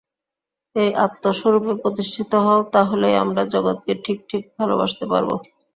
এই আত্মস্বরূপে প্রতিষ্ঠিত হও, তা হলেই আমরা জগৎকে ঠিক ঠিক ভালবাসতে পারব।